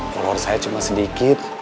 follower saya cuma sedikit